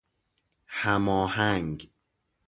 هم آهنگ